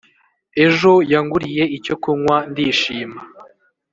ejo yanguriye icyo kunywa ndishima